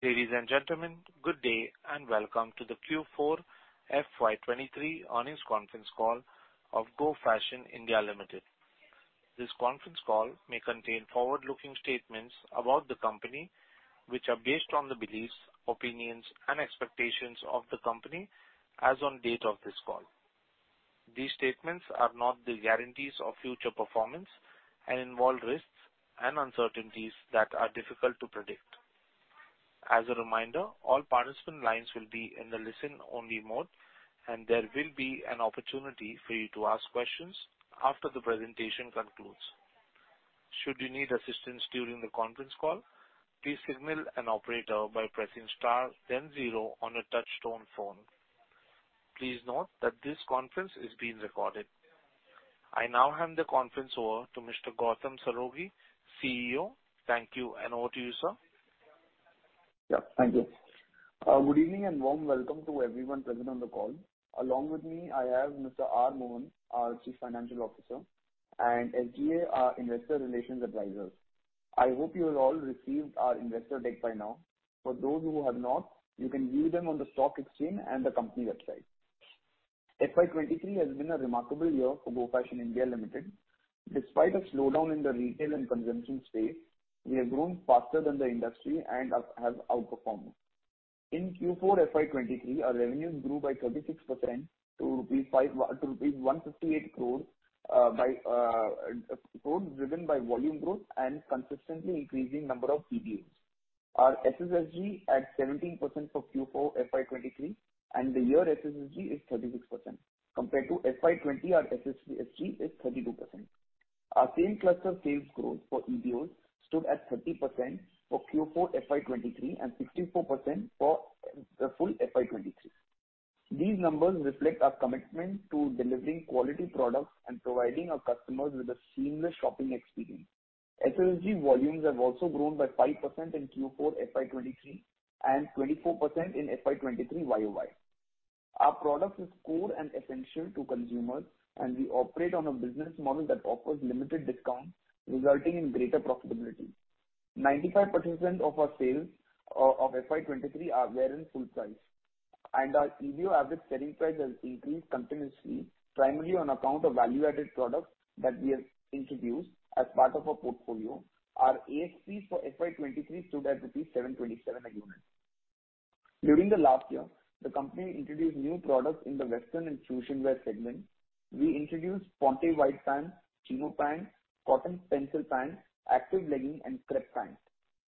Ladies and gentlemen, good day and welcome to the Q4 FY23 earnings conference call of Go Fashion (India) Limited. This conference call may contain forward-looking statements about the company, which are based on the beliefs, opinions and expectations of the company as on date of this call. These statements are not the guarantees of future performance and involve risks and uncertainties that are difficult to predict. As a reminder, all participant lines will be in the listen-only mode, and there will be an opportunity for you to ask questions after the presentation concludes. Should you need assistance during the conference call, please signal an operator by pressing star 0 on a touchtone phone. Please note that this conference is being recorded. I now hand the conference over to Mr. Gautam Saraogi, CEO. Thank you, and over to you, sir. Yeah, thank you. Good evening and warm welcome to everyone present on the call. Along with me, I have Mr. R. Mohan, our Chief Financial Officer, and SGA, our investor relations advisors. I hope you have all received our investor deck by now. For those who have not, you can view them on the stock exchange and the company website. FY 2023 has been a remarkable year for Go Fashion (India) Limited. Despite a slowdown in the retail and consumption space, we have grown faster than the industry and have outperformed. In Q4 FY 2023, our revenues grew by 36% to 158 crore driven by volume growth and consistently increasing number of EBOs. Our SSSG at 17% for Q4 FY 2023, and the year SSSG is 36%. Compared to FY 2020, our SSSG is 32%. Our same-cluster sales growth for EBOs stood at 30% for Q4 FY23 and 64% for the full FY23. These numbers reflect our commitment to delivering quality products and providing our customers with a seamless shopping experience. SSSG volumes have also grown by 5% in Q4 FY23 and 24% in FY23 YOY. Our product is core and essential to consumers, and we operate on a business model that offers limited discounts, resulting in greater profitability. 95% of our sales of FY23 are wear and full price, and our EBO average selling price has increased continuously, primarily on account of value-added products that we have introduced as part of our portfolio. Our ASP for FY23 stood at rupees 727 a unit. During the last year, the company introduced new products in the western and fusion wear segment. We introduced Ponte Wide Pant, Chino Pant, Cotton Pencil Pant, Active Leggings and Crepe Pant.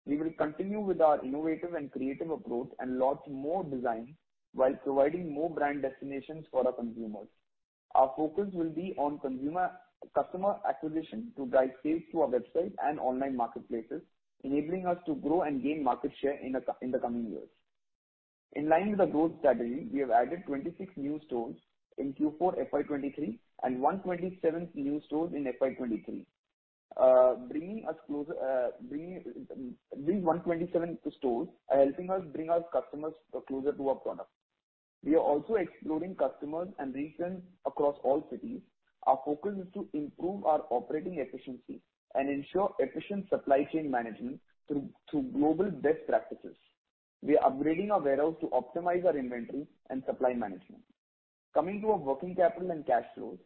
We will continue with our innovative and creative approach and launch more designs while providing more brand destinations for our consumers. Our focus will be on consumer-customer acquisition to drive sales to our website and online marketplaces, enabling us to grow and gain market share in the coming years. In line with the growth strategy, we have added 26 new stores in Q4 FY23 and 127 new stores in FY23. bringing us closer, these 127 stores are helping us bring our customers closer to our product. We are also exploring customers and regions across all cities. Our focus is to improve our operating efficiency and ensure efficient supply chain management through global best practices. We are upgrading our warehouse to optimize our inventory and supply management. Coming to our working capital and cash flows,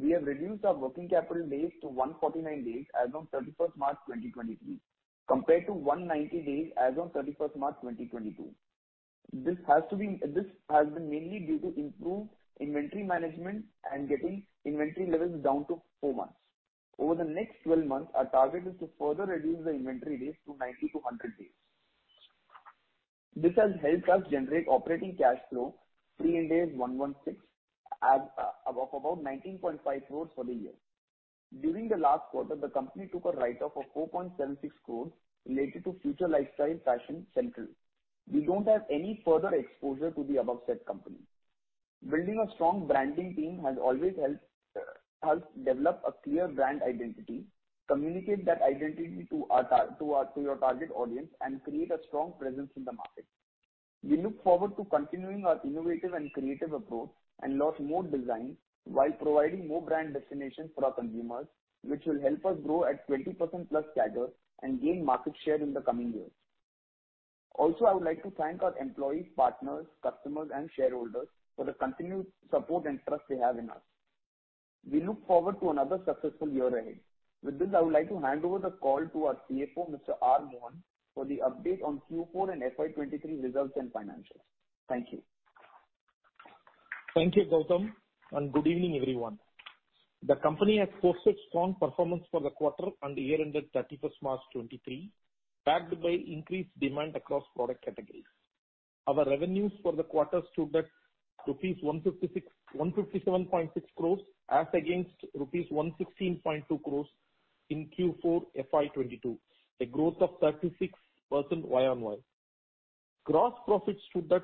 we have reduced our working capital days to 149 days as on 31st March 2023, compared to 190 days as on 31st March 2022. This has been mainly due to improved inventory management and getting inventory levels down to 4 months. Over the next 12 months, our target is to further reduce the inventory days to 90-100 days. This has helped us generate operating cash flow free in days 116 of about 19.5 crores for the year. During the last quarter, the company took a write-off of 4.76 crores related to Future Lifestyle Fashions Limited. We don't have any further exposure to the above said company. Building a strong branding team has always helped develop a clear brand identity, communicate that identity to our, to your target audience and create a strong presence in the market. We look forward to continuing our innovative and creative approach and launch more designs while providing more brand destinations for our consumers, which will help us grow at 20% plus CAGR and gain market share in the coming years. I would like to thank our employees, partners, customers and shareholders for the continued support and trust they have in us. We look forward to another successful year ahead. With this, I would like to hand over the call to our CFO, Mr. R. Mohan, for the update on Q4 and FY 2023 results and financials. Thank you. Thank you, Gautam, and good evening, everyone. The company has posted strong performance for the quarter and year ended 31st March 2023, backed by increased demand across product categories. Our revenues for the quarter stood at 157.6 crores as against rupees 116.2 crores in Q4 FY22, a growth of 36% YOY. Gross profit stood at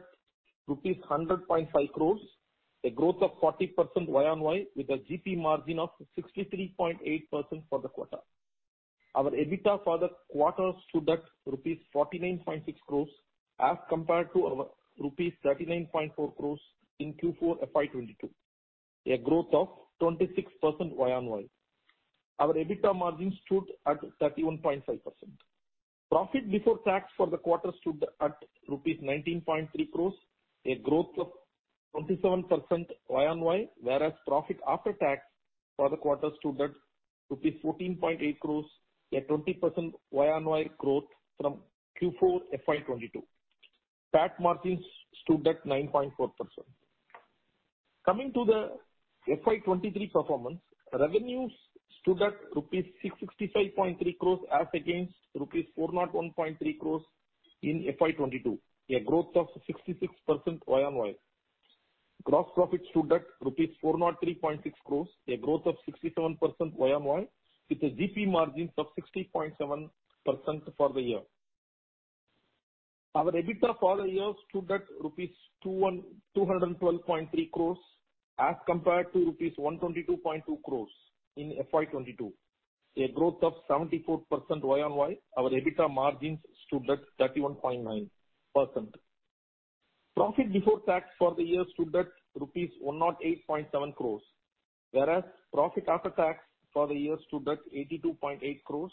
rupees 100.5 crores, a growth of 40% YOY with a GP margin of 63.8% for the quarter. Our EBITDA for the quarter stood at rupees 49.6 crores as compared to our rupees 39.4 crores in Q4 FY22, a growth of 26% YOY. Our EBITDA margins stood at 31.5%. Profit before tax for the quarter stood at rupees 19.3 crores, a growth of 27% YOY, whereas profit after tax for the quarter stood at rupees 14.8 crores, a 20% YOY growth from Q4 FY22. Tax margins stood at 9.4%. Coming to the FY23 performance, revenues stood at rupees 665.3 crores as against rupees 401.3 crores in FY22, a growth of 66% YOY. Gross profit stood at 403.6 crores rupees, a growth of 67% YOY, with a GP margins of 60.7% for the year. Our EBITDA for the year stood at rupees two one... 212.3 crores as compared to rupees 122.2 crores in FY 2022, a growth of 74% YOY. Our EBITDA margins stood at 31.9%. Profit before tax for the year stood at rupees 108.7 crores, whereas profit after tax for the year stood at 82.8 crores.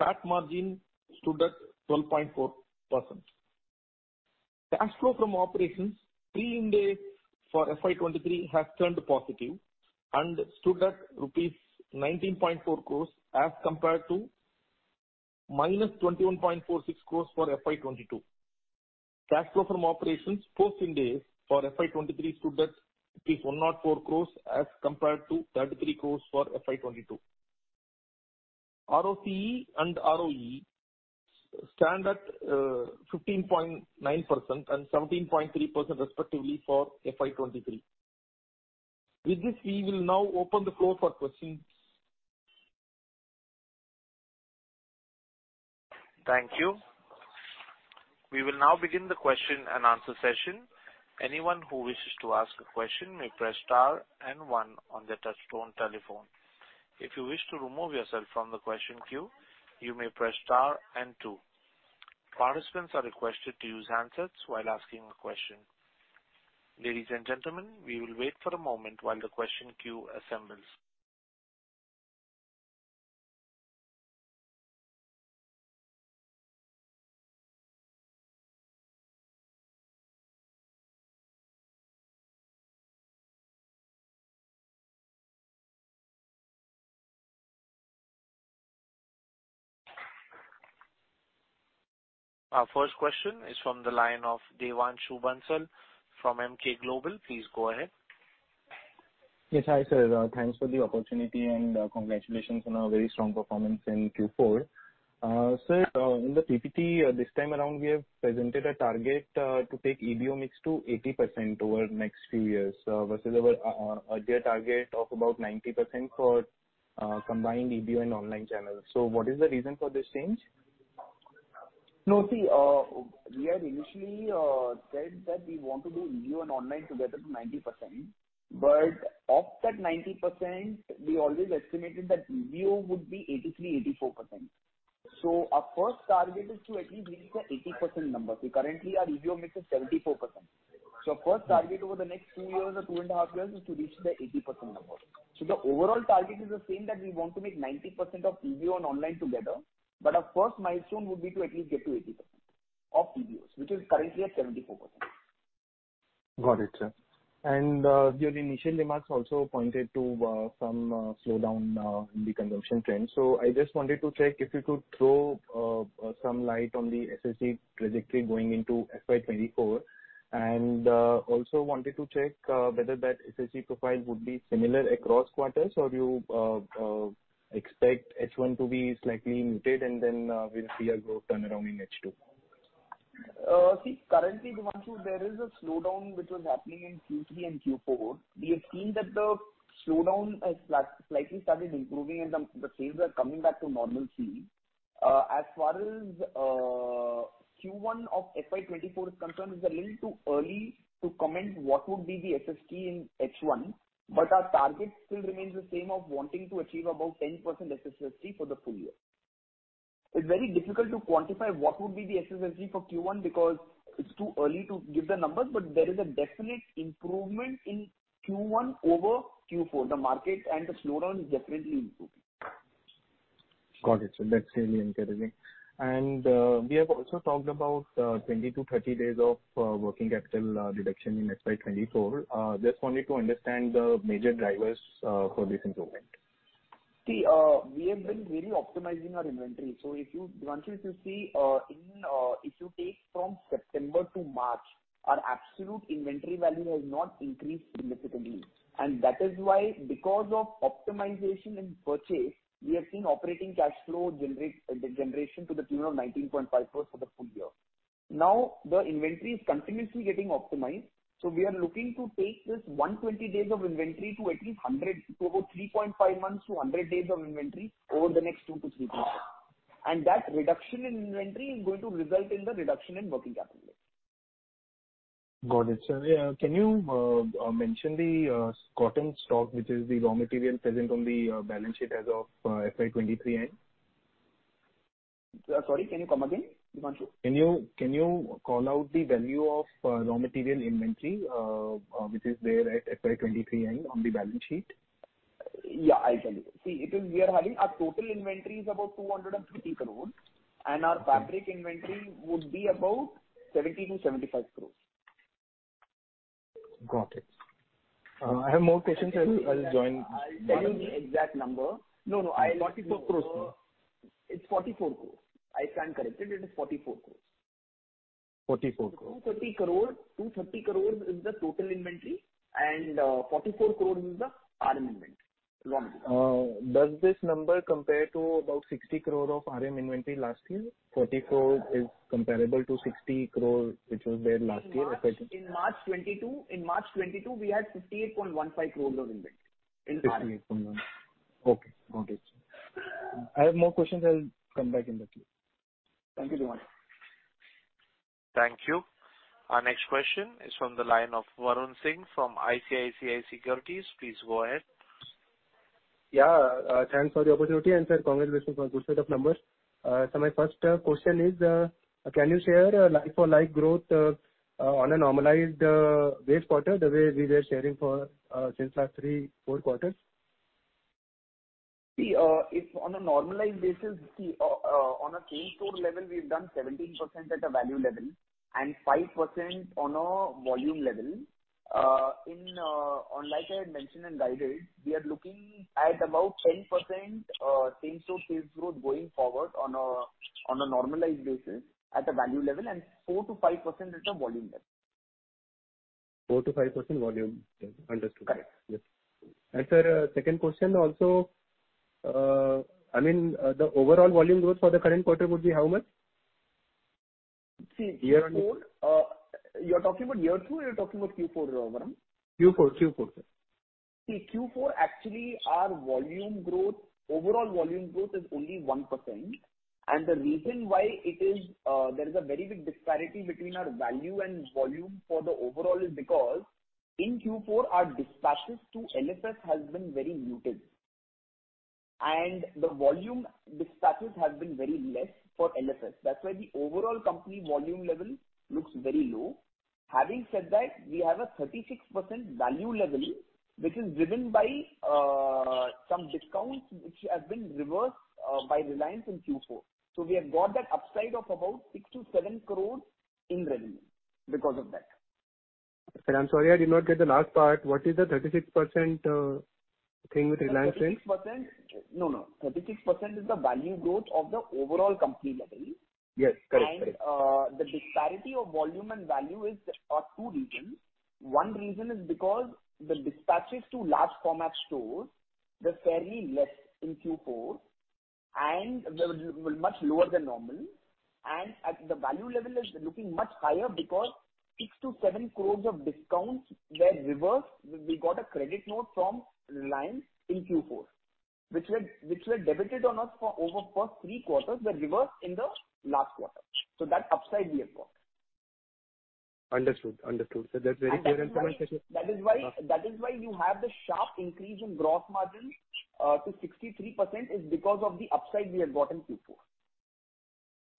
Tax margin stood at 12.4%. Cash flow from operations pre-Ind AS for FY 2023 has turned positive and stood at rupees 19.4 crores as compared to minus 21.46 crores for FY 2022. Cash flow from operations post-Ind AS for FY 2023 stood at 104 crores as compared to 33 crores for FY 2022. ROCE and ROE stand at 15.9% and 17.3% respectively for FY 2023. With this, we will now open the floor for questions. Thank you. We will now begin the question and answer session. Anyone who wishes to ask a question may press star and one on their touch tone telephone. If you wish to remove yourself from the question queue, you may press star and two. Participants are requested to use handsets while asking a question. Ladies and gentlemen, we will wait for a moment while the question queue assembles. Our first question is from the line of Devanshu Bansal from Emkay Global. Please go ahead. Yes. Hi, sir. Thanks for the opportunity and congratulations on a very strong performance in Q4. In the PPT, this time around, we have presented a target to take EBO mix to 80% over the next few years, versus our earlier target of about 90% for combined EBO and online channels. What is the reason for this change? No, see, we had initially said that we want to do EBO and online together to 90%. Of that 90%, we always estimated that EBO would be 83%-84%. Our first target is to at least reach the 80% number. Currently, our EBO mix is 74%. First target over the next two years or two and a half years is to reach the 80% number. The overall target is the same, that we want to make 90% of EBO and online together. Our first milestone would be to at least get to 80% of EBOs, which is currently at 74%. Got it, sir. Your initial remarks also pointed to some slowdown in the consumption trend. I just wanted to check if you could throw some light on the SSG trajectory going into FY 2024 and also wanted to check whether that SSG profile would be similar across quarters, or you expect H1 to be slightly muted and then we'll see a growth turnaround in H2. See, currently, Devanshu, there is a slowdown which was happening in Q3 and Q4. We have seen that the slowdown has slightly started improving and the sales are coming back to normal speed. As far as Q1 of FY 2024 is concerned, it's a little too early to comment what would be the SSSG in H1. Our target still remains the same of wanting to achieve about 10% SSSG for the full year. It's very difficult to quantify what would be the SSSG for Q1 because it's too early to give the numbers. There is a definite improvement in Q1 over Q4. The market and the slowdown is definitely improving. Got it, sir. That's really encouraging. We have also talked about 20 to 30 days of working capital reduction in FY 2024. Just wanted to understand the major drivers for this improvement. See, we have been really optimizing our inventory. If you, Devanshu, if you see, if you take from September to March, our absolute inventory value has not increased significantly. That is why, because of optimization and purchase, we have seen operating cash flow generation to the tune of 19.5 crores for the full year. The inventory is continuously getting optimized, so we are looking to take this 120 days of inventory to at least 100, to about 3.5 months to 100 days of inventory over the next 2 to 3 quarters. That reduction in inventory is going to result in the reduction in working capital. Got it, sir. Yeah. Can you mention the cotton stock, which is the raw material present on the balance sheet as of FY 2023 end? Sorry, can you come again, Himanshu? Can you call out the value of raw material inventory which is there at FY 23 end on the balance sheet? Yeah, I tell you. See, We are having our total inventory is about 250 crores. Okay. fabric inventory would be about 70 crores-75 crores. Got it. I have more questions. I will join-. I'll tell you the exact number. No, no. 44 crores. It's 44 crores. I stand corrected, it is 44 crores. 44 crores. 230 crores is the total inventory and, 44 crore is the RM inventory. Raw material. Does this number compare to about 60 crore of RM inventory last year? 40 crore is comparable to 60 crore, which was there last year, I think. In March 2022, we had INR 58.15 crore of inventory. In March. 58.1. Okay. Got it. I have more questions. I'll come back in the queue. Thank you very much. Thank you. Our next question is from the line of Varun Singh from ICICI Securities. Please go ahead. Yeah. Thanks for the opportunity. Sir, congratulations for good set of numbers. My first question is, can you share a like-for-like growth on a normalized base quarter, the way we were sharing for since last three, four quarters? If on a normalized basis, on a same-store level, we've done 17% at a value level and 5% on a volume level. On like I had mentioned and guided, we are looking at about 10% same-store sales growth going forward on a, on a normalized basis at a value level and 4%-5% at a volume level. 4%-5% volume. Understood. Correct. Yes. Sir, second question also, I mean, the overall volume growth for the current quarter would be how much? See- Year-on-year. you're talking about year 2 or you're talking about Q4, Varun? Q4. Q4, sir. See, Q4 actually our volume growth, overall volume growth is only 1%. The reason why it is, there is a very big disparity between our value and volume for the overall is because in Q4 our dispatches to LFS has been very muted, and the volume dispatches have been very less for LFS. That's why the overall company volume level looks very low. Having said that, we have a 36% value level which is driven by some discounts which have been reversed by Reliance in Q4. We have got that upside of about 6 to 7 crores in revenue because of that. Sir, I'm sorry, I did not get the last part. What is the 36% thing with Reliance in? 36%. No, no. 36% is the value growth of the overall company level. Yes. Correct. Correct. The disparity of volume and value is, are two reasons. One reason is because the dispatches to large format stores were fairly less in Q4 and were much lower than normal. At the value level is looking much higher because 6-7 crores of discounts were reversed. We got a credit note from Reliance in Q4, which were debited on us for over first 3 quarters were reversed in the last quarter. That upside we have got. Understood. Understood. That's very clear. That is why. Uh. That is why you have the sharp increase in gross margin, to 63% is because of the upside we have got in Q4.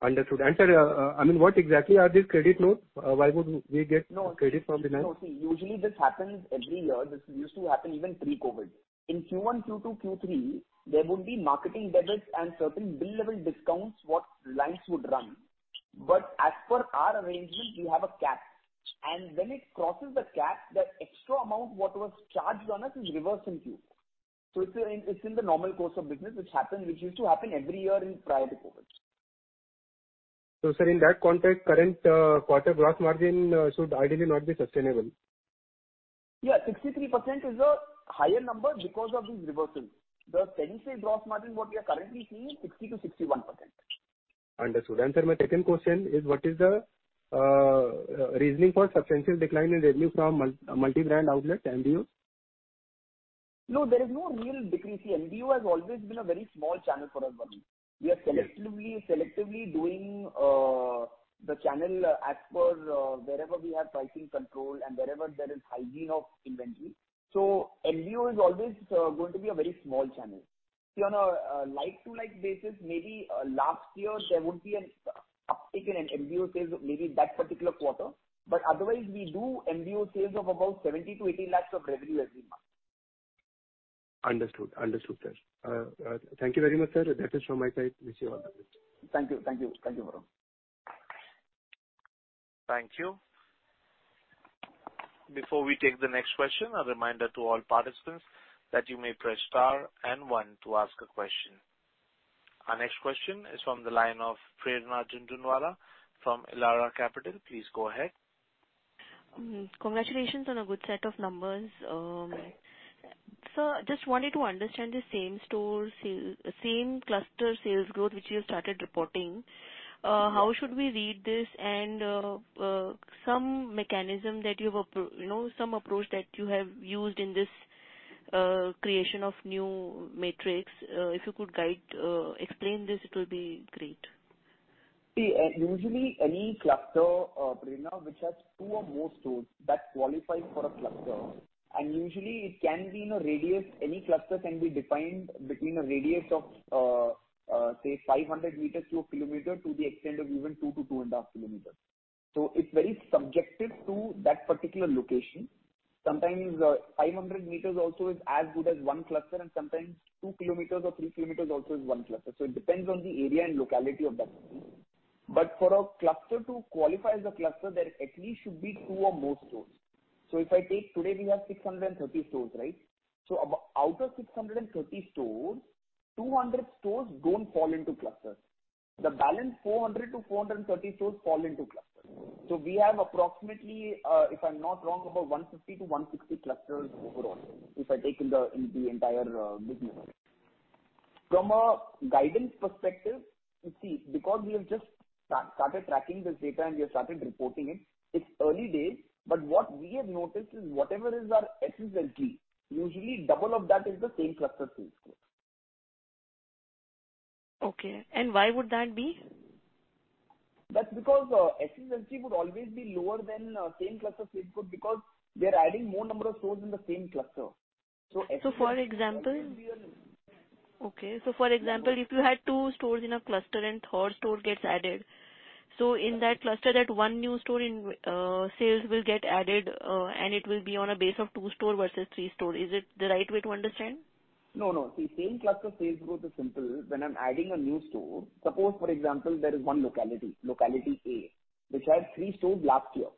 Understood. Sir, I mean, what exactly are these credit notes? Why would we get credit from Reliance? No, see, usually this happens every year. This used to happen even pre-COVID. In Q1, Q2, Q3, there would be marketing debits and certain bill level discounts what Reliance would run. As per our arrangement, we have a cap. When it crosses the cap, the extra amount what was charged on us is reversed in queue. It's in the normal course of business which happened, which used to happen every year in prior to COVID. Sir, in that context, current quarter gross margin should ideally not be sustainable. Yeah, 63% is a higher number because of these reversals. The 10-day gross margin, what we are currently seeing is 60%-61%. Understood. Sir, my second question is what is the reasoning for substantial decline in revenue from multi-brand outlet, MBO? No, there is no real decrease. See, MBO has always been a very small channel for us, Varun. Okay. We are selectively doing the channel as per wherever we have pricing control and wherever there is hygiene of inventory. MBO is always going to be a very small channel. On a like-to-like basis, maybe last year there would be an uptick in an MBO sales, maybe that particular quarter. Otherwise we do MBO sales of about 70 lakhs-80 lakhs of revenue every month. Understood. Understood, sir. Thank you very much, sir. That is from my side. Wish you all the best. Thank you. Thank you. Thank you, Varun. Thank you. Before we take the next question, a reminder to all participants that you may press Star and One to ask a question. Our next question is from the line of Prerna Jindal from Elara Capital. Please go ahead. Congratulations on a good set of numbers. Thank you. Sir, just wanted to understand the same-store sales, same-cluster sales growth which you have started reporting. How should we read this? Some mechanism that you've you know, some approach that you have used in this, creation of new metrics. If you could guide, explain this, it will be great. See, usually any cluster, Prerna, which has two or more stores, that qualifies for a cluster. Usually it can be in a radius. Any cluster can be defined between a radius of, say, 500 m to 1 km to the extent of even two to 2.5 km. It's very subjective to that particular location. Sometimes, 500 m also is as good as one cluster, and sometimes two km or three km also is onecluster. It depends on the area and locality of that store. For a cluster to qualify as a cluster, there at least should be two or more stores. If I take today we have 630 stores, right? Out of 630 stores, 200 stores don't fall into clusters. The balance 400-430 stores fall into clusters. We have approximately, if I'm not wrong, about 150-160 clusters overall, if I take in the entire business. From a guidance perspective, you see, because we have just started tracking this data and we have started reporting it's early days. What we have noticed is whatever is our SSST, usually double of that is the same-cluster sales growth. Okay. Why would that be? That's because, SSST would always be lower than, same-cluster sales growth, because we are adding more number of stores in the same cluster. For example. Okay. For example, if you had two stores in a cluster and third store gets added, in that cluster that one new store in sales will get added, and it will be on a base of two store versus three store. Is it the right way to understand? No, no. See, same-cluster sales growth is simple. When I'm adding a new store, suppose, for example, there is 1 locality A, which had 3 stores last year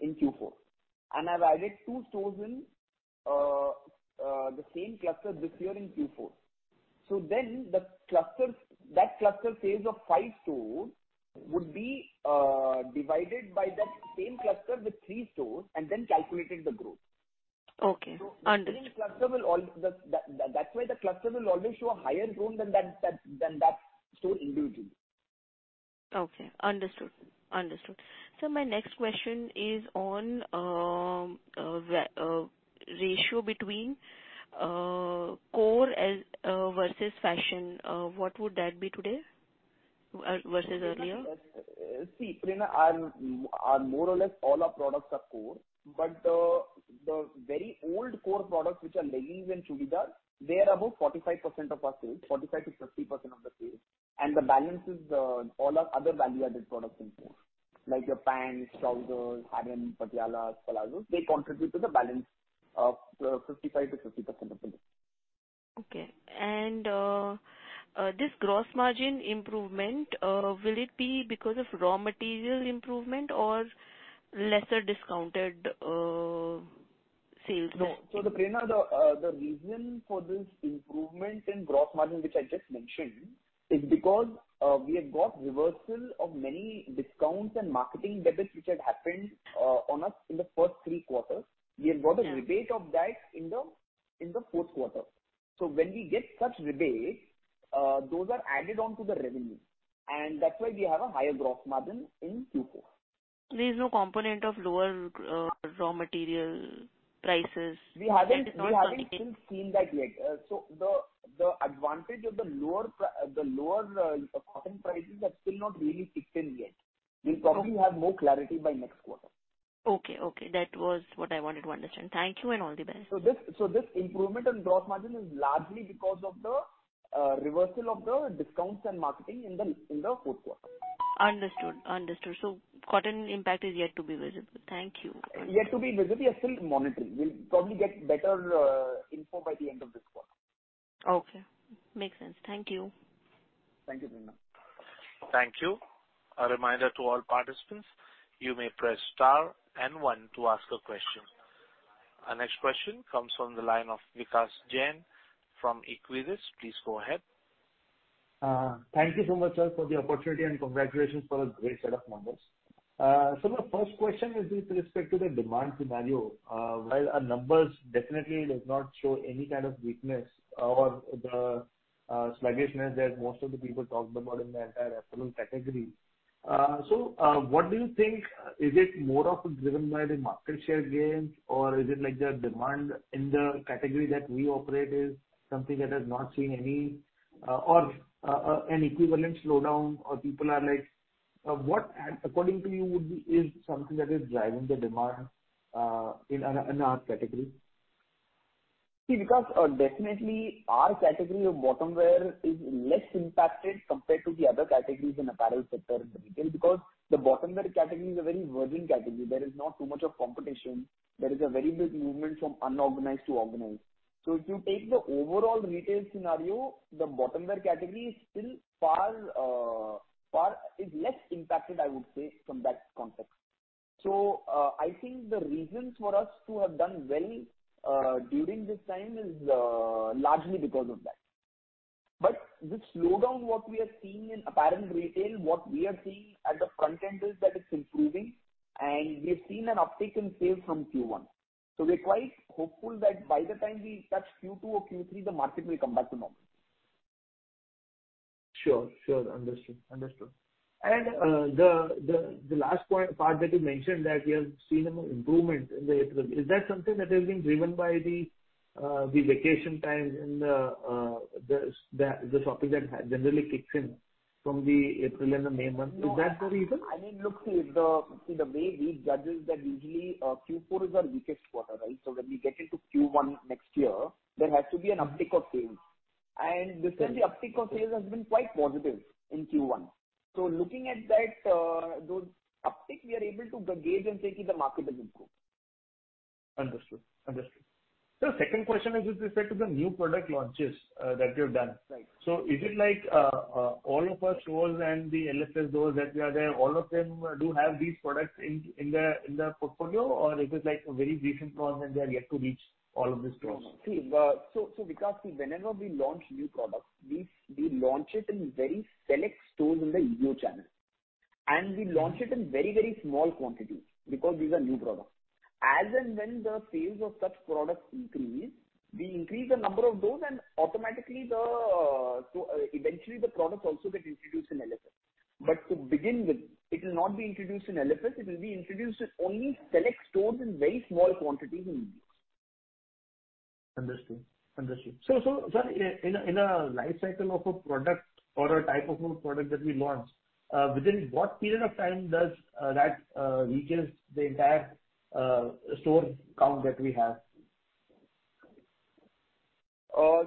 in Q4, and I've added 2 stores in the same cluster this year in Q4. The cluster, that cluster sales of 5 stores would be divided by that same cluster with 3 stores and then calculating the growth. Okay. That's why the cluster will always show a higher growth than that store individually. Okay. Understood. My next question is on ratio between core as versus fashion. What would that be today versus earlier? See, Prerna, our more or less all our products are core, but the very old core products which are leggings and churidar, they are above 45% of our sales, 45%-50% of the sales. The balance is all our other value-added products in core. Like your pants, trousers, harem, patialas, palazzos, they contribute to the balance of 55%-60% of the sales. Okay. This gross margin improvement, will it be because of raw material improvement or lesser discounted, sales mix? No. Prerna, the reason for this improvement in gross margin, which I just mentioned, is because we have got reversal of many discounts and marketing debits which had happened on us in the first 3 quarters. Yeah. We have got a rebate of that in the, in the fourth quarter. When we get such rebates, those are added on to the revenue, and that's why we have a higher gross margin in Q4. There is no component of lower raw material prices that is not. We haven't even seen that yet. The advantage of the lower cotton prices have still not really kicked in yet. Okay. We'll probably have more clarity by next quarter. Okay. That was what I wanted to understand. Thank you and all the best. This improvement on gross margin is largely because of the reversal of the discounts and marketing in the fourth quarter. Understood. Cotton impact is yet to be visible. Thank you. Yet to be visible. We are still monitoring. We'll probably get better info by the end of this quarter. Okay. Makes sense. Thank you. Thank you, Prerna. Thank you. A reminder to all participants, you may press star and one to ask a question. Our next question comes from the line of Vikas Jain from Equirus. Please go ahead. Thank you so much, sir, for the opportunity. Congratulations for a great set of numbers. My first question is with respect to the demand scenario. While our numbers definitely does not show any kind of weakness or the sluggishness that most of the people talked about in the entire apparel category. What do you think, is it more of driven by the market share gains, or is it like the demand in the category that we operate is something that has not seen any or an equivalent slowdown or people are like... What, according to you, would be is something that is driving the demand in our, in our category? Vikas, definitely our category of bottom wear is less impacted compared to the other categories in apparel sector in retail. The bottom wear category is a very virgin category. There is not too much of competition. There is a very big movement from unorganized to organized. If you take the overall retail scenario, the bottom wear category is still far is less impacted, I would say, from that context. I think the reasons for us to have done well during this time is largely because of that. This slowdown, what we are seeing in apparel retail, what we are seeing at the front end is that it's improving and we have seen an uptick in sales from Q1. We are quite hopeful that by the time we touch Q2 or Q3, the market will come back to normal. Sure. Sure. Understood. Understood. The last point, part that you mentioned that you have seen an improvement in the apparel. Is that something that has been driven by the vacation time and the shopping that generally kicks in from the April and the May month? Is that the reason? I mean, look, see the way we judge is that usually, Q4 is our weakest quarter, right? When we get into Q1 next year, there has to be an uptick of sales. This time the uptick of sales has been quite positive in Q1. Looking at that, those uptick, we are able to gauge and say that the market has improved. Understood. Understood. The second question is with respect to the new product launches, that you have done. Right. Is it like all of our stores and the LFS stores that we are there, all of them do have these products in their portfolio? Or it is like a very recent launch, and they are yet to reach all of the stores? No. See, so because whenever we launch new products, we launch it in very select stores in the EBO channel, and we launch it in very small quantities because these are new products. As and when the sales of such products increase, we increase the number of those, and automatically so eventually the products also get introduced in LFS. To begin with, it will not be introduced in LFS. It will be introduced to only select stores in very small quantities in EBO. Understood. Understood. So, sir, in a lifecycle of a product or a type of a product that we launch, within what period of time does that reaches the entire store count that we have?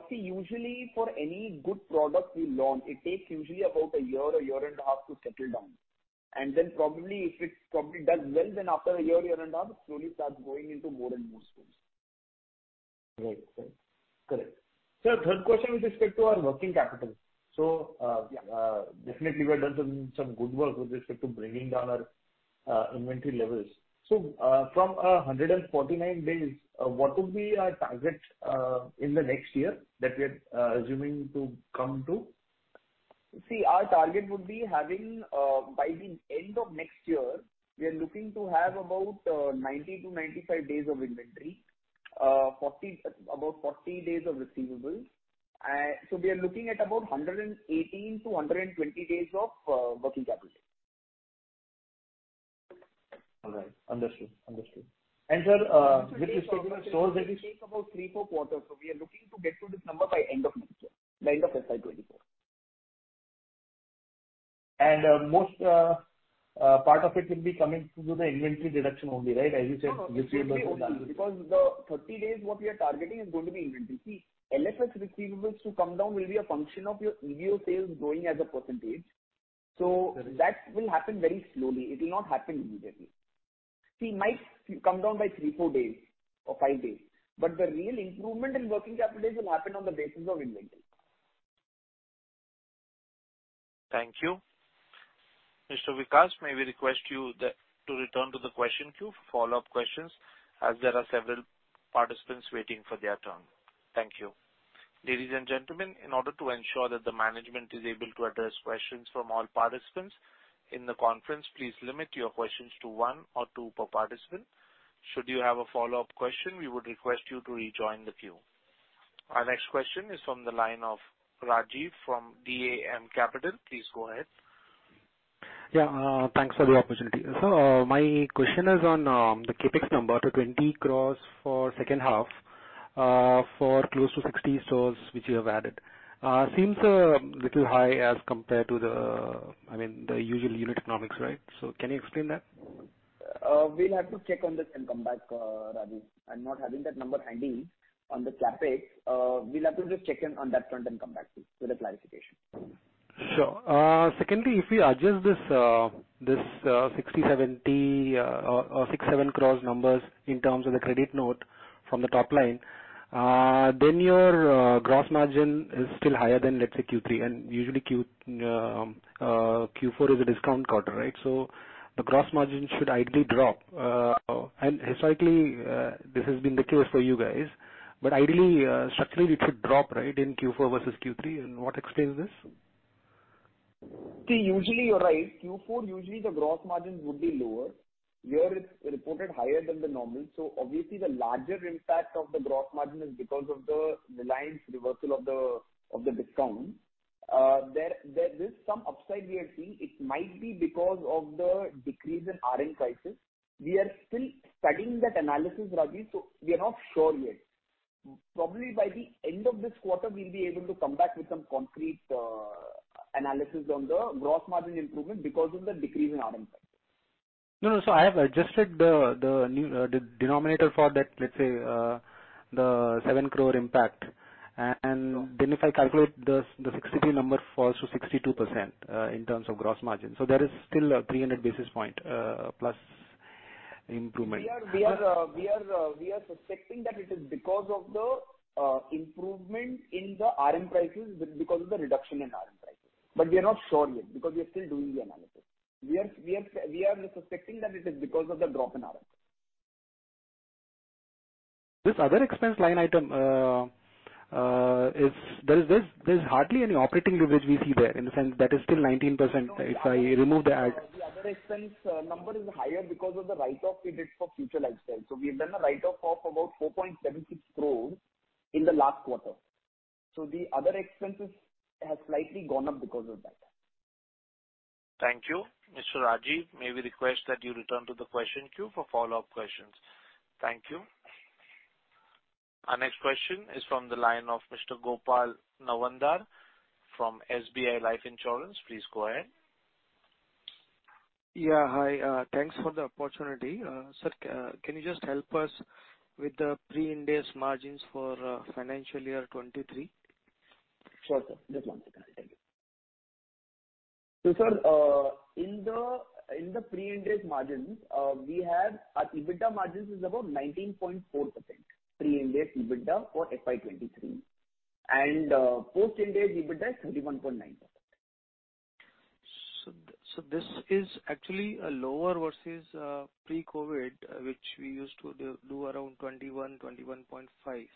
See, usually for any good product we launch, it takes usually about a year or year and a half to settle down. Then probably if it probably does well, after a year and a half, it slowly starts going into more and more stores. Right. Right. Correct. Sir, third question with respect to our working capital. Yeah. Definitely we have done some good work with respect to bringing down our inventory levels. From 149 days, what would be our target in the next year that we are assuming to come to? Our target would be having, by the end of next year, we are looking to have about 90-95 days of inventory, 40, about 40 days of receivables. We are looking at about 118-120 days of working capital. All right. Understood. Understood. sir, with respect to stores that. It will take about 3-4 quarters. We are looking to get to this number by end of next year, by end of FY 2024. Most, part of it will be coming through the inventory reduction only, right? As you said, receivables- No, inventory only because the 30 days what we are targeting is going to be inventory. See, LFS receivables to come down will be a function of your EBO sales growing as a percentage. That will happen very slowly. It will not happen immediately. See, it might come down by three, four days or five days, but the real improvement in working capital days will happen on the basis of inventory. Thank you. Mr. Vikas, may we request you to return to the question queue for follow-up questions, as there are several participants waiting for their turn. Thank you. Ladies and gentlemen, in order to ensure that the management is able to address questions from all participants in the conference, please limit your questions to one or two per participant. Should you have a follow-up question, we would request you to rejoin the queue. Our next question is from the line of Rajiv from DAM Capital. Please go ahead. Yeah. Thanks for the opportunity. My question is on the CapEx number, the 20 crores for second half, for close to 60 stores which you have added. Seems a little high as compared to the, I mean, the usual unit economics, right? Can you explain that? We'll have to check on this and come back, Rajiv. I'm not having that number handy on the CapEx. We'll have to just check in on that front and come back to you with a clarification. Sure. Secondly, if we adjust this 60, 70 or 6, 7 crores numbers in terms of the credit note from the top line, then your gross margin is still higher than, let's say, Q3. Usually Q4 is a discount quarter, right? The gross margin should ideally drop. Historically, this has been the case for you guys, but ideally, structurally, it should drop, right, in Q4 versus Q3. What explains this? See, usually you're right. Q4 usually the gross margins would be lower. Here it's reported higher than the normal. Obviously the larger impact of the gross margin is because of the Reliance reversal of the discount. There is some upside we are seeing. It might be because of the decrease in RM prices. We are still studying that analysis, Rajiv, we are not sure yet. Probably by the end of this quarter, we'll be able to come back with some concrete analysis on the gross margin improvement because of the decrease in RM prices. No, no. I have adjusted the new, the denominator for that, let's say, the 7 crore impact. If I calculate the 60 number falls to 62% in terms of gross margin. There is still a 300 basis point plus improvement. We are suspecting that it is because of the improvement in the RM prices because of the reduction in RM prices. We are not sure yet because we are still doing the analysis. We are suspecting that it is because of the drop in RM. This other expense line item, there's hardly any operating leverage we see there in the sense that is still 19% if I remove the. The other expense number is higher because of the write-off we did for Future Lifestyle. We have done a write-off of about 4.76 crores in the last quarter. The other expenses has slightly gone up because of that. Thank you. Rajiv, may we request that you return to the question queue for follow-up questions. Thank you. Our next question is from the line of Mr. Gopal Nawandar from SBI Life Insurance. Please go ahead. Yeah. Hi. Thanks for the opportunity. Sir, can you just help us with the pre-Ind AS margins for financial year 23? Sure, sir. Just one second. Thank you. Sir, in the pre-Ind AS margins, we have our EBITDA margins is about 19.4%, pre-Ind AS EBITDA for FY 2023. Post-Ind AS EBITDA is 31.9%. This is actually a lower versus pre-COVID, which we used to do around 21.5.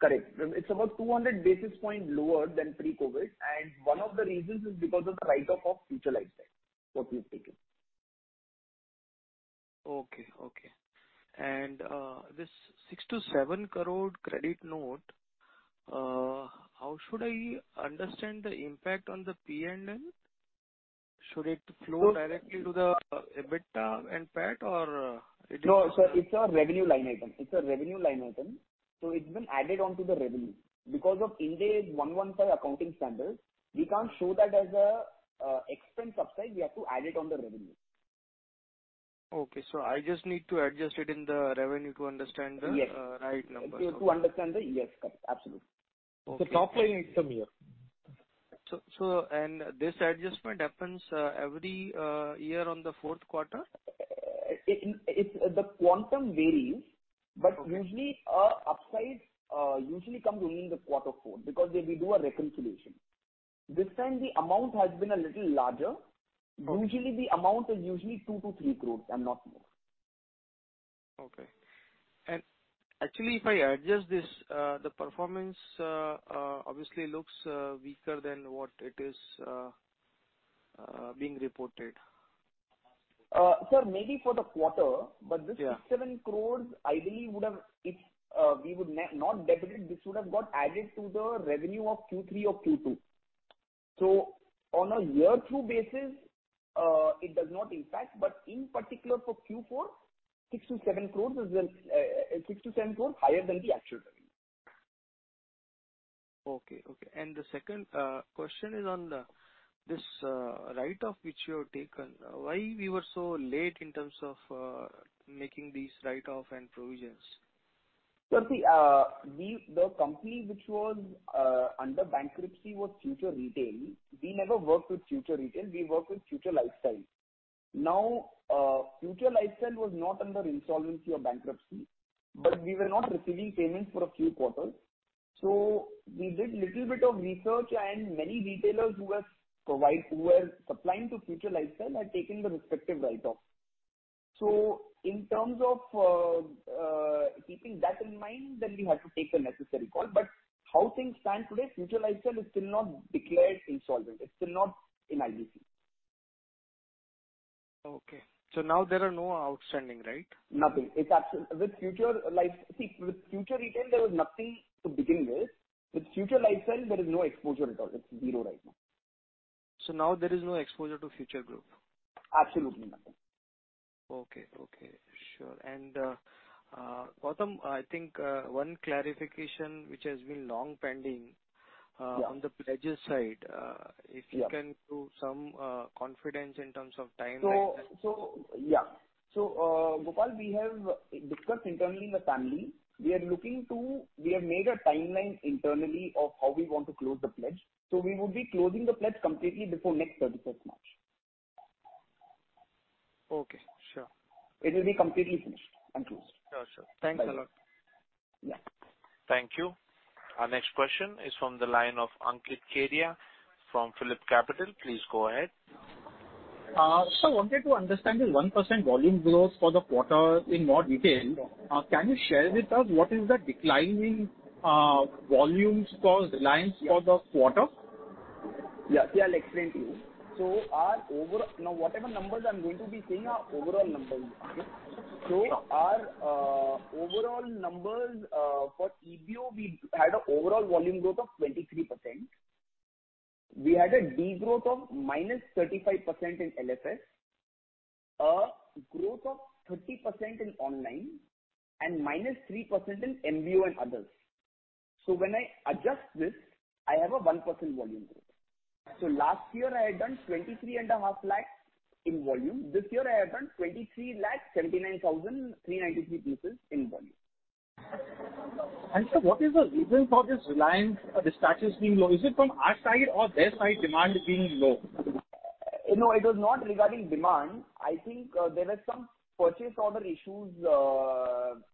Correct. It's about 200 basis points lower than pre-COVID. One of the reasons is because of the write-off of Future Lifestyle that we've taken. Okay. Okay. This 6 to 7 crore credit note, how should I understand the impact on the PNL? Should it flow directly to the EBITDA and PAT or? No, sir. It's a revenue line item. It's a revenue line item. It's been added onto the revenue. Because of Ind AS 115 accounting standard, we can't show that as a expense upside. We have to add it on the revenue. Okay. I just need to adjust it in the revenue to understand. Yes. right number. To understand the... Yes. Correct. Absolutely. Okay. The top line item here. This adjustment happens every year on the fourth quarter? It's the quantum varies. Okay. Usually, upsides, usually come only in the quarter four because they redo a reconciliation. This time the amount has been a little larger. Usually the amount is usually 2-3 crores and not more. Okay. Actually, if I adjust this, the performance obviously looks weaker than what it is being reported. Sir, maybe for the quarter. Yeah. This 6-7 crores ideally would have, if we would not debit it, this would have got added to the revenue of Q3 or Q2. On a YOY basis, it does not impact. In particular for Q4, 6-7 crores is 6-7 crores higher than the actual revenue. Okay. Okay. The second question is on this write-off which you have taken. Why we were so late in terms of making these write-off and provisions? Sir, see, we, the company which was under bankruptcy was Future Retail. We never worked with Future Retail. We worked with Future Lifestyle. Now, Future Lifestyle was not under insolvency or bankruptcy, but we were not receiving payments for a few quarters. We did little bit of research and many retailers who were supplying to Future Lifestyle had taken the respective write off. In terms of, keeping that in mind, then we had to take the necessary call. How things stand today, Future Lifestyle is still not declared insolvent. It's still not in IBC. Okay. now there are no outstanding, right? Nothing. With Future Lifestyle, see, with Future Retail, there was nothing to begin with. With Future Lifestyle, there is no exposure at all. It's 0 right now. Now there is no exposure to Future Group? Absolutely nothing. Okay. Okay. Sure. Gautam, I think, one clarification which has been long pending- Yeah. on the pledges side. Yeah. If you can give some confidence in terms of timeline. Yeah. Gopal, we have discussed internally in the family. We have made a timeline internally of how we want to close the pledge. We would be closing the pledge completely before next thirty-first March. Okay. Sure. It will be completely finished and closed. Sure. Sure. Thanks a lot. Yeah. Thank you. Our next question is from the line of Ankit Kedia from PhillipCapital. Please go ahead. Sir, wanted to understand the 1% volume growth for the quarter in more detail. Can you share with us what is the declining volumes for Reliance for the quarter? Yeah. Yeah. I'll explain to you. Now, whatever numbers I'm going to be saying are overall numbers. Okay? Sure. Our overall numbers for EBO, we had an overall volume growth of 23%. We had a degrowth of -35% in LFS, a growth of 30% in online and -3% in MBO and others. When I adjust this, I have a 1% volume growth. Last year I had done 23.5 lakh in volume. This year I have done 2,379,393 pieces in volume. Sir, what is the reason for this Reliance dispatches being low? Is it from our side or their side demand being low? No, it was not regarding demand. I think, there were some purchase order issues.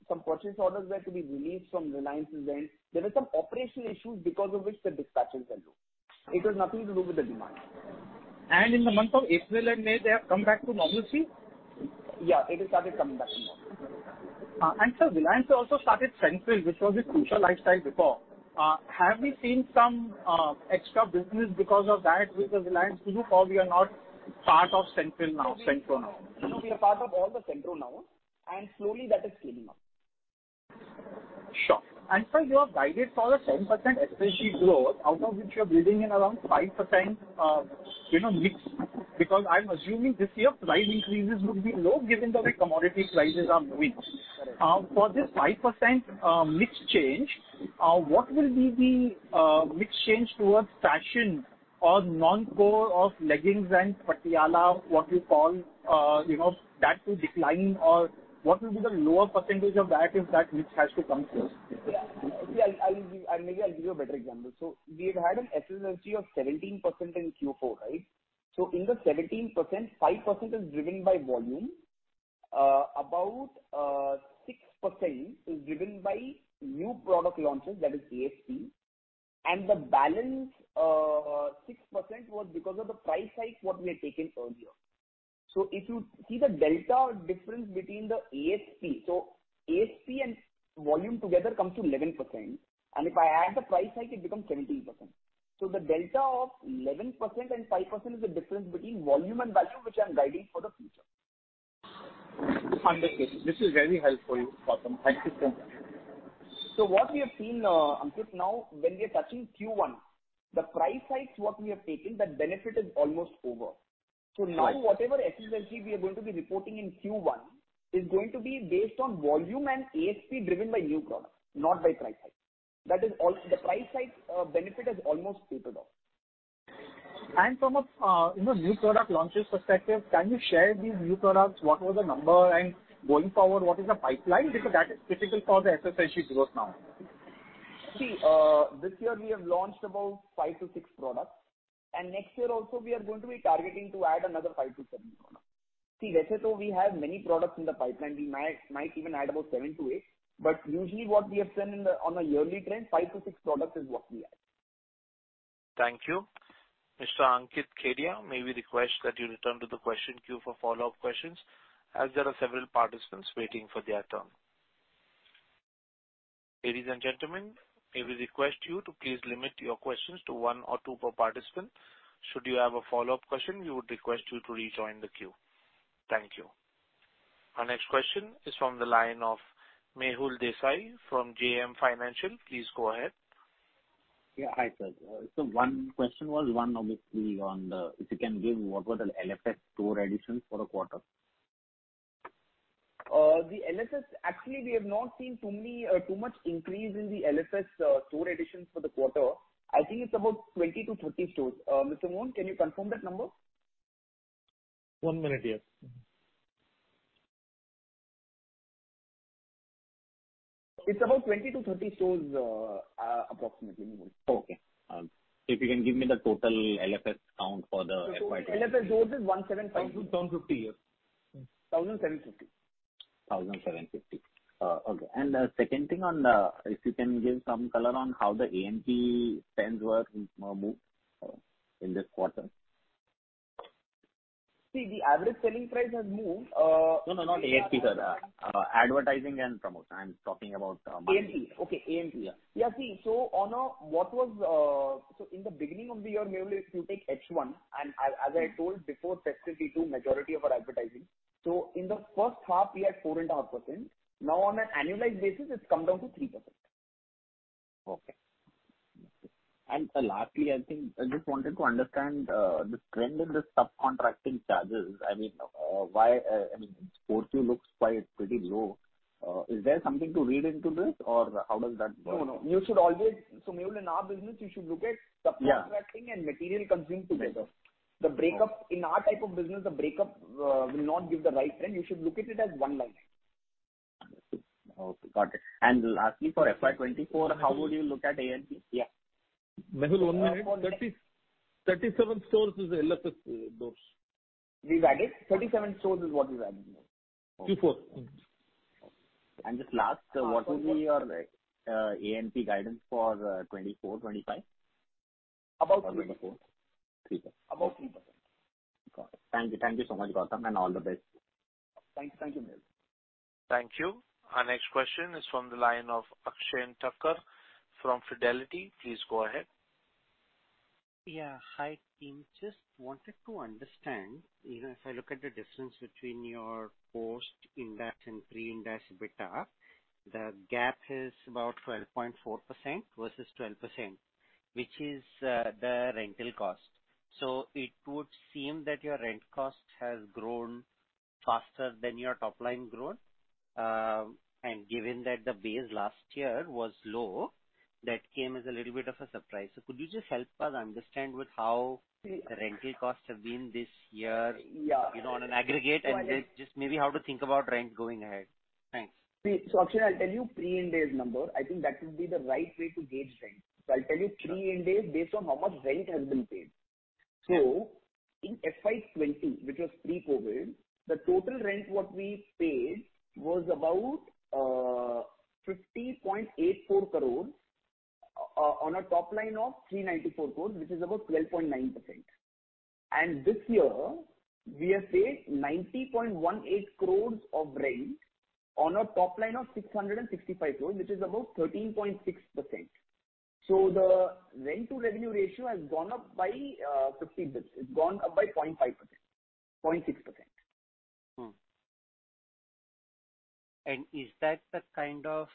Some purchase orders were to be released from Reliance's end. There were some operational issues because of which the dispatches are low. It has nothing to do with the demand. In the month of April and May, they have come back to normalcy? Yeah. It has started coming back to normal. Sir, Reliance also started Central, which was with Future Lifestyle before. Have we seen some extra business because of that with the Reliance group, or we are not part of Central now? No, we are part of all the Central now. Slowly that is scaling up. Sure. sir, you have guided for a 10% SSSG growth, out of which you're building in around 5%, you know, mix. I'm assuming this year price increases will be low given the way commodity prices are moving. Correct. For this 5% mix change, what will be the mix change towards fashion or non-core of leggings and patiala, what you call, you know, that to decline or what will be the lower percentage of that if that mix has to come close? Yeah. Maybe I'll give you a better example. We've had an SSSG of 17% in Q4, right. In the 17%, 5% is driven by volume. About 6% is driven by new product launches, that is ASP. The balance, 6% was because of the price hikes what we had taken earlier. If you see the delta difference between the ASP, so ASP and volume together comes to 11%, and if I add the price hike, it becomes 17%. The delta of 11% and 5% is the difference between volume and value, which I'm guiding for the future. Understood. This is very helpful, Gautam. Thank you so much. What we have seen, Ankit, now when we are touching Q1, the price hikes what we have taken, the benefit is almost over. Right. Now whatever SSG we are going to be reporting in Q1 is going to be based on volume and ASP driven by new products, not by price hike. That is all. The price hike, benefit is almost tapered off. From a, you know, new product launches perspective, can you share these new products? What was the number and going forward, what is the pipeline? Because that is critical for the SSSG growth now. See, this year we have launched about five to six products. Next year also we are going to be targeting to add another five to seven products. See, we have many products in the pipeline. We might even add about seven to eight. Usually what we have seen in the, on a yearly trend, five to sit products is what we add. Thank you. Mr. Ankit Kedia, may we request that you return to the question queue for follow-up questions, as there are several participants waiting for their turn. Ladies and gentlemen, may we request you to please limit your questions to one or two per participant. Should you have a follow-up question, we would request you to rejoin the queue. Thank you. Our next question is from the line of Mehul Desai from JM Financial. Please go ahead. Yeah. Hi, sir. One question was, one obviously on the, if you can give what were the LSS store additions for the quarter? The LSS, actually, we have not seen too many, too much increase in the LSS, store additions for the quarter. I think it's about 20-30 stores. Mr. Mohan, can you confirm that number? One minute, yeah. It's about 20-30 stores, approximately, Mohan. Okay. If you can give me the total LSS count for the FY 24? LSS stores is 175. 1,750, yes. 1,750. 1,750. Okay. The second thing on the, if you can give some color on how the AMP trends were moved in this quarter. See, the average selling price has moved, No, no, not ASP, sir. advertising and promotion. I'm talking about. AMP. Okay, AMP. Yeah. Yeah. See. In the beginning of the year, Mehul, if you take H1, and as I told before, festive D2, majority of our advertising. In the first half we had four and a half percent. Now on an annualized basis, it's come down to 3%. Okay. Lastly, I think I just wanted to understand, the trend in the subcontracting charges. I mean, why, I mean, Q4 looks quite pretty low. Is there something to read into this or how does that work? No, no. Mehul, in our business, you should look at subcontracting. Yeah. material consumed together. Right. In our type of business, the breakup will not give the right trend. You should look at it as one line. Understood. Okay, got it. Lastly, for FY 2024, how would you look at AMP? Yeah. Mehul, one minute. 37 stores is LSS, those. We've added. 37 stores is what we've added. Q4. Okay. Just last, what will be your AMP guidance for 2024-2025? About three. About 3%. About 3%. Got it. Thank you. Thank you so much, Gautam, and all the best. Thank you. Thank you, Mehul. Thank you. Our next question is from the line of Akshen Thakkar from Fidelity. Please go ahead. Yeah, hi, team. Just wanted to understand, you know, if I look at the difference between your post-Ind AS and pre-Ind AS beta, the gap is about 12.4% versus 12%, which is the rental cost. It would seem that your rent cost has grown faster than your top line growth. Given that the base last year was low, that came as a little bit of a surprise. Could you just help us understand with how the rental costs have been this year. Yeah. You know, on an aggregate, and just maybe how to think about rent going ahead? Thanks. Akshay, I'll tell you pre-Ind AS number. I think that would be the right way to gauge rent. I'll tell you pre-Ind AS based on how much rent has been paid. In FY 2020, which was pre-COVID, the total rent what we paid was about 50.84 crores on a top line of 394 crores, which is about 12.9%. This year we have paid 90.18 crores of rent on a top line of 665 crores, which is about 13.6%. The rent to revenue ratio has gone up by 50 basis points. It's gone up by 0.5%, 0.6%. Is that the kind of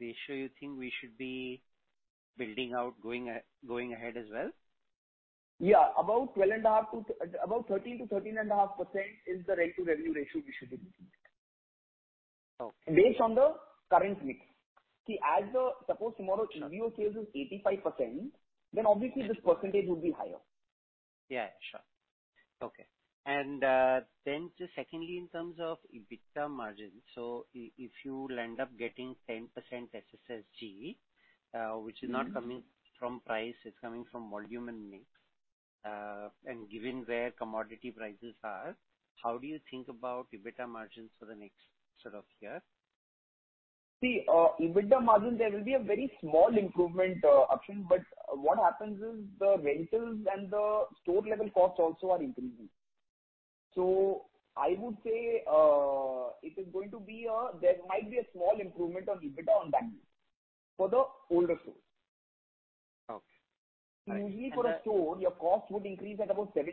ratio you think we should be building out going going ahead as well? Yeah. About 12.5% to about 13% to 13.5% is the rent to revenue ratio we should be looking at. Okay. Based on the current mix. Suppose tomorrow EBO sales is 85%, then obviously this percentage will be higher. Yeah, sure. Okay. Then just secondly, in terms of EBITDA margin. If you will end up getting 10% SSSG, which is not- Mm-hmm. Coming from price, it's coming from volume and mix. Given where commodity prices are, how do you think about EBITDA margins for the next sort of year? EBITDA margin, there will be a very small improvement, Akshay, but what happens is the rentals and the store level costs also are increasing. I would say, there might be a small improvement on EBITDA on that for the older stores. Okay. Usually for a store, your cost would increase at about 7%,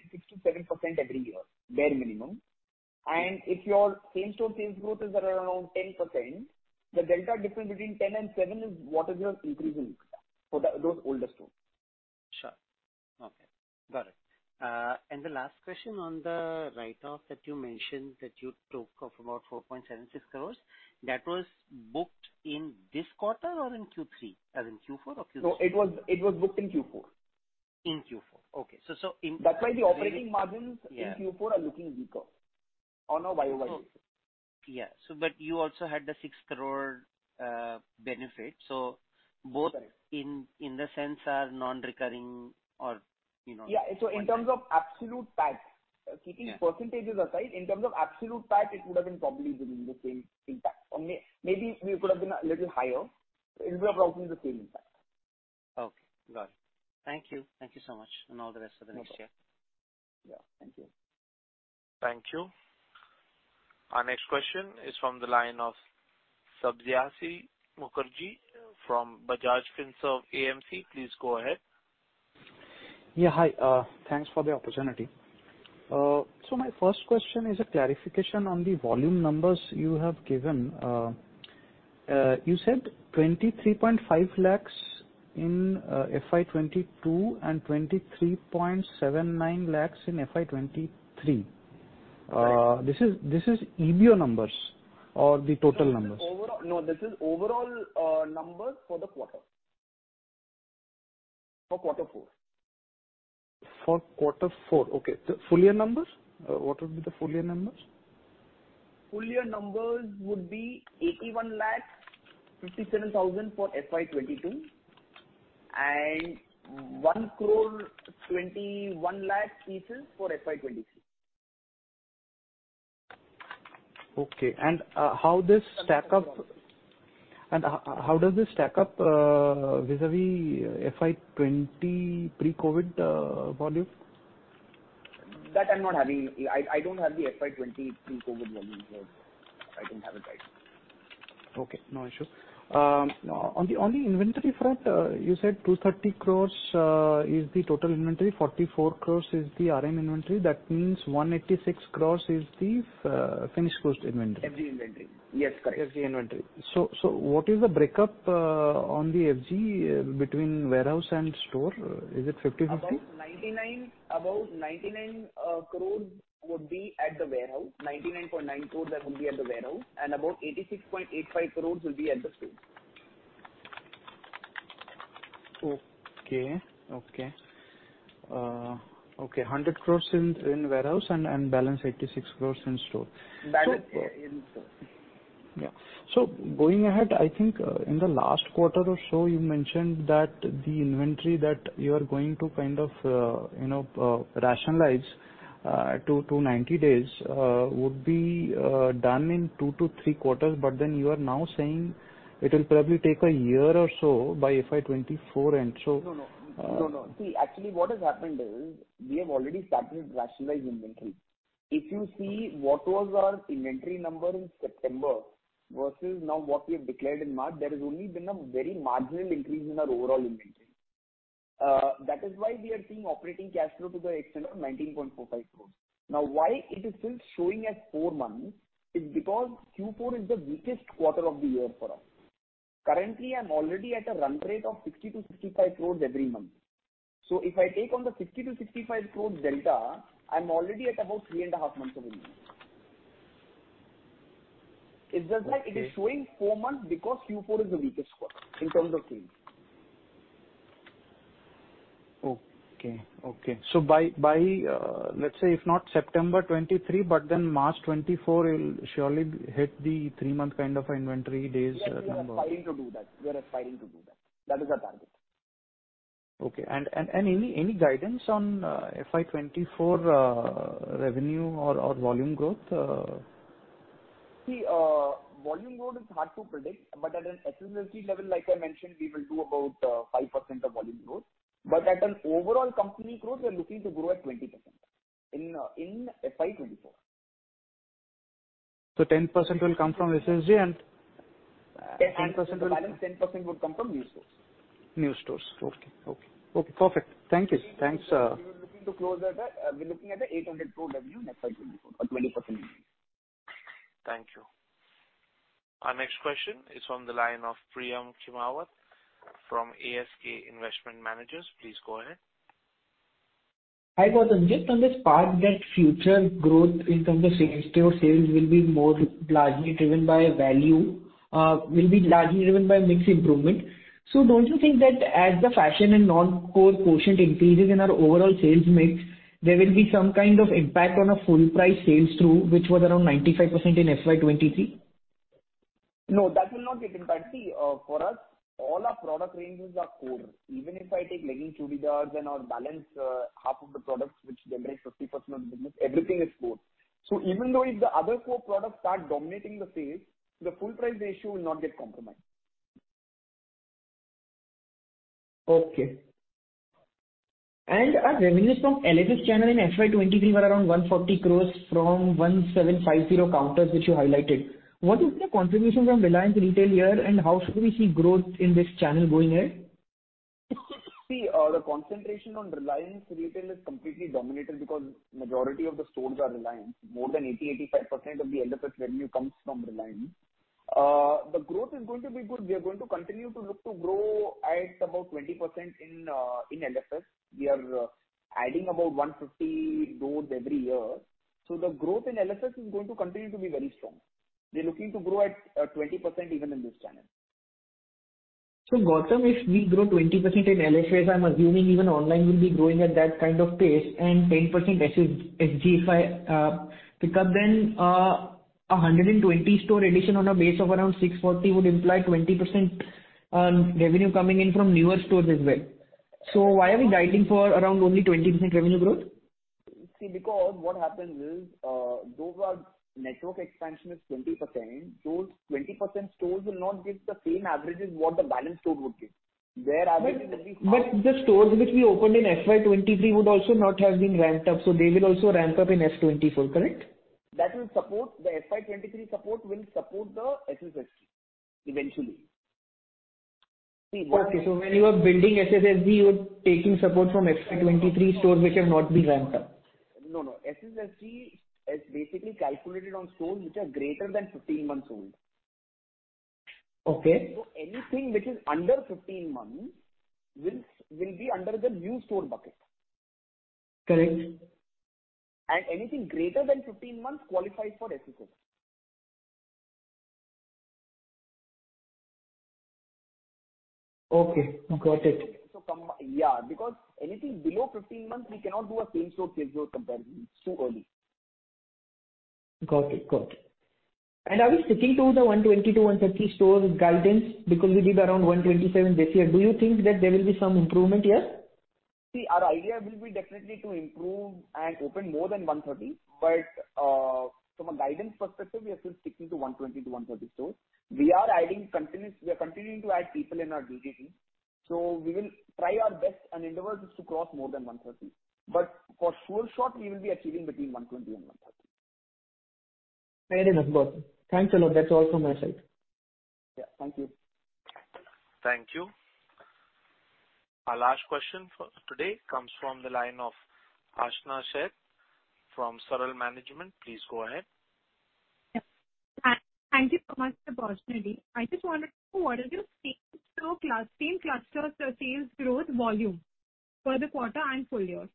6%-7% every year, bare minimum. If your Same-Store Sales Growth is at around 10%, the delta difference between 10 and 7 is what is your increase in staff for the, those older stores. Sure. Okay. Got it. The last question on the write-off that you mentioned that you took of about 4.76 crores, that was booked in this quarter or in Q3? In Q4 or Q3? It was booked in Q4. In Q4. Okay. That's why the operating margins- Yeah. In Q4 are looking weaker on a YOY basis. Yeah. But you also had the 6 crore benefit. Correct. -in the sense are non-recurring or, you know. Yeah. In terms of absolute pact. Yeah. % aside, in terms of absolute impact, it would have been probably within the same impact. Maybe we could have been a little higher. It would have roughly the same impact. Okay. Got it. Thank you. Thank you so much and all the best for the next year. No problem. Yeah. Thank you. Thank you. Our next question is from the line of Sabyasachi Mukherjee from Bajaj Finserv AMC. Please go ahead. Yeah, hi. Thanks for the opportunity. My first question is a clarification on the volume numbers you have given. You said 23.5 lakhs in FY 2022 and 23.79 lakhs in FY 2023. Correct. this is EBO numbers or the total numbers? No, this is overall numbers for the quarter. For quarter four. For quarter four. Okay. The full year numbers, what would be the full year numbers? Full year numbers would be 81 lakh 57,000 for FY 2022 and 1 crore 21 lakh pieces for FY 2023. Okay. How does this stack up vis-a-vis FY 20 pre-COVID volume? That I'm not having. I don't have the FY 20 pre-COVID volume here. I don't have it right. Okay, no issue. On the inventory front, you said 230 crores is the total inventory, 44 crores is the RM inventory. That means 186 crores is the finished goods inventory. FG inventory. Yes, correct. FG inventory. What is the break up on the FG between warehouse and store? Is it 50/50? About 99 crores would be at the warehouse. 99.9 crores that would be at the warehouse and about 86.85 crores will be at the store. Okay. Okay. Okay. 100 crores in warehouse and balance 86 crores in store. Balance in store. Yeah. Going ahead, I think, in the last quarter or so, you mentioned that the inventory that you are going to kind of, you know, rationalize, to 90 days, would be done in 2 to 3 quarters. You are now saying it will probably take a year or so by FY 2024 end. No, no. Uh. See, actually what has happened is we have already started to rationalize inventory. If you see what was our inventory number in September versus now what we have declared in March, there has only been a very marginal increase in our overall inventory. That is why we are seeing operating cash flow to the extent of 19.45 crores. Now why it is still showing as 4 months is because Q4 is the weakest quarter of the year for us. Currently, I'm already at a run rate of 60 crores-65 crores every month. If I take on the 60 crores-65 crores delta, I'm already at about 3.5 months of inventory. It's just that. Okay. It is showing four months because Q4 is the weakest quarter in terms of sales. Okay. Okay. By, let's say if not September 2023, but March 2024 it'll surely hit the three-month kind of inventory days, number. We are aspiring to do that. That is our target. Okay. Any guidance on FY 2024 revenue or volume growth? Volume growth is hard to predict, but at an SSSG level, like I mentioned, we will do about 5% of volume growth. At an overall company growth, we are looking to grow at 20% in FY 2024. 10% will come from SSG. The balance 10% would come from new stores. New stores. Okay. Okay. Okay, perfect. Thank you. Thanks. We're looking at 800 growth revenue in FY 2024 at 20%. Thank you. Our next question is from the line of Priyam Khimawat from ASK Investment Managers. Please go ahead. Hi, Gautam. Just on this part that future growth in terms of same-store sales will be more largely driven by value, will be largely driven by mix improvement. Don't you think that as the fashion and non-core quotient increases in our overall sales mix, there will be some kind of impact on a full price sales through which was around 95% in FY 2023? No, that will not get impacted. See, for us, all our product ranges are core. Even if I take legging, chudidars and our balance, half of the products which generate 50% of the business, everything is core. Even though if the other core products start dominating the sales, the full price ratio will not get compromised. Okay. Our revenues from LSS channel in FY 2023 were around 140 crores from 1,750 counters which you highlighted. What is the contribution from Reliance Retail here, and how should we see growth in this channel going ahead? See, the concentration on Reliance Retail is completely dominated because majority of the stores are Reliance. More than 80-85% of the LSS revenue comes from Reliance. The growth is going to be good. We are going to continue to look to grow at about 20% in LSS. We are adding about 150 doors every year, so the growth in LSS is going to continue to be very strong. We're looking to grow at 20% even in this channel. Gautam, if we grow 20% in LSS, I'm assuming even online will be growing at that kind of pace and 10% SSSG, if I pick up then, a 120 store addition on a base of around 640 would imply 20% revenue coming in from newer stores as well. Why are we guiding for around only 20% revenue growth? See, because what happens is, though our network expansion is 20%, those 20% stores will not give the same averages what the balanced store would give. Their averages will be half-. The stores which we opened in FY 2023 would also not have been ramped up, so they will also ramp up in FY 2024, correct? That will support. The FY 23 support will support the SSSG eventually. Okay. When you are building SSSG, you're taking support from FY 2023 stores which have not been ramped up. No, no. SSSG is basically calculated on stores which are greater than 15 months old. Okay. Anything which is under 15 months will be under the new store bucket. Correct. Anything greater than 15 months qualifies for SSSG. Okay. Got it. Yeah, because anything below 15 months, we cannot do a Same-Store Sales Growth comparison. It's too early. Got it. Got it. Are we sticking to the 120-130 stores guidance because we did around 127 this year? Do you think that there will be some improvement here? Our idea will be definitely to improve and open more than 130, from a guidance perspective, we are still sticking to 120-130 stores. We are continuing to add people in our D2C. We will try our best and endeavors is to cross more than 130. For sure shot we will be achieving between 120 and 130. Very nice, Gautam. Thanks a lot. That's all from my side. Yeah. Thank you. Thank you. Our last question for today comes from the line of Aashna Sheth from Saral Management. Please go ahead. Thank you so much, Gautam Saraogi. I just wanted to know what is your same-store same clusters sales growth volume for the quarter and full year?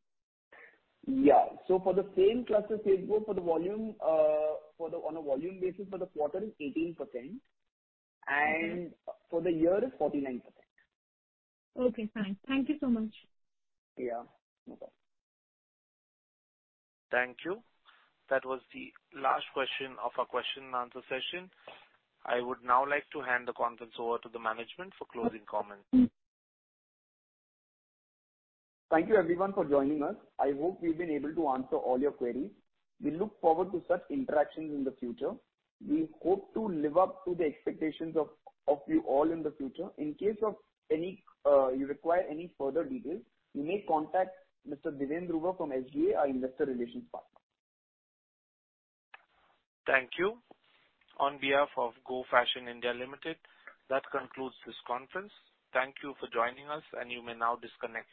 Yeah. For the same cluster sales growth for the volume, for the, on a volume basis for the quarter is 18% and for the year is 49%. Okay, fine. Thank you so much. Yeah. No problem. Thank you. That was the last question of our question and answer session. I would now like to hand the conference over to the management for closing comments. Thank you everyone for joining us. I hope we've been able to answer all your queries. We look forward to such interactions in the future. We hope to live up to the expectations of you all in the future. In case of any, you require any further details, you may contact Mr. Birendra Rout from SGA, our investor relations partner. Thank you. On behalf of Go Fashion (India) Limited, that concludes this conference. Thank you for joining us, and you may now disconnect.